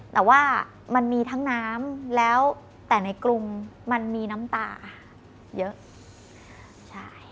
แต่ว่ามันมีทั้งน้ำแล้วแต่ในกรุงมันมีน้ำตาเยอะใช่